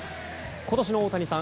今年の大谷さん